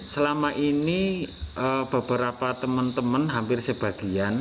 selama ini beberapa teman teman hampir sebagian